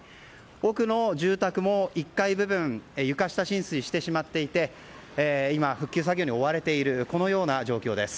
奥の住宅も１階部分が床下浸水してしまっていて復旧作業に追われている状況です。